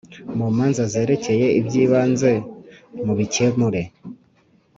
Mu manza zerekeye ibyibanze mubikemure.